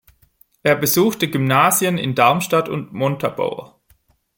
Er besuchte Gymnasien in Darmstadt und Montabaur.